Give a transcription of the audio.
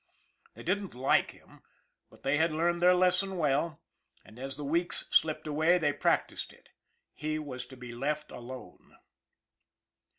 They didn't like him, but they had learned their lesson well ; and, as the weeks slipped away, they practised it he was to be left alone.